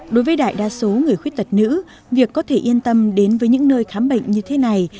đối với đại đa số người khuyết tật nữ việc có thể yên tâm đến với những nơi khám bệnh như thế này